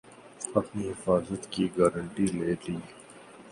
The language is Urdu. اپنی حفاظت کی گارنٹی لے لی